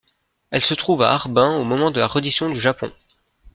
Elles se trouvent à Harbin au moment de la reddition du Japon.